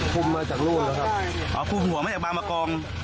คุมมาจากนู้นเหรอครับอ๋อคุมหัวมาจากบางประกรม